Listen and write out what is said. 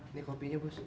ini kopinya bus